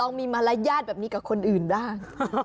ลองมีมารรยาตรแบบนี้กับคนอื่นด้าน